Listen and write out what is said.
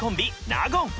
納言